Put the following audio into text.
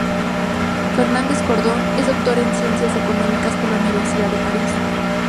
Fernández Cordón es doctor en Ciencias Económicas por la Universidad de París.